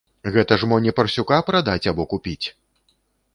Гэта ж мо не парсюка прадаць або купіць!